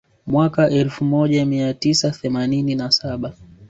Mwaka elfu moja mia tisa themanini na saba